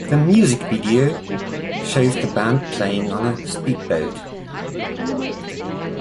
The music video shows the band playing on a speedboat.